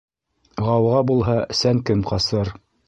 Ғауға булһа, Сәнкем ҡасыр.